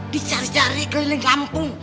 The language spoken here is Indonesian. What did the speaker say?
dicari cari keliling kampung